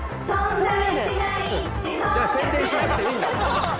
じゃあ宣伝しなくていいんだ。